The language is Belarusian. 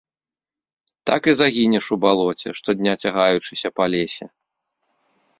Так і загінеш у балоце, штодня цягаючыся па лесе.